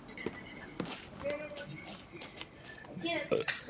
Rolling Stone nazval album "koncepčně ostrým".